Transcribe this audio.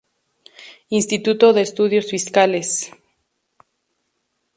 Instituto de Estudios Fiscales.